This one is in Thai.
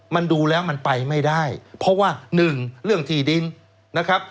มันดูแล้วมันไปไม่ได้เพราะว่าหนึ่งเรื่องที่ดินนะครับ